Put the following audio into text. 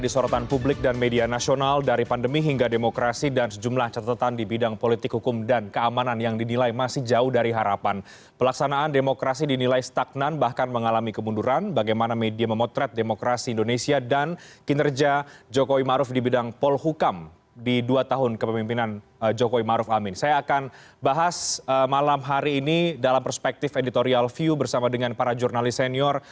saya akan bahas malam hari ini dalam perspektif editorial view bersama dengan para jurnalis senior